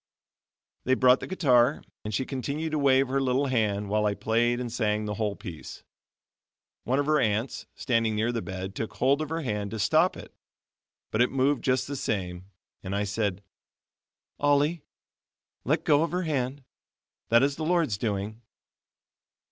They brought the guitar, and she continued to wave her little hand, while I played and sang the whole piece. One of her aunts, standing near the bed took hold of her hand to stop it, but it moved just the same; and I said: "Ollie, let go of her hand, that is the Lord's doings."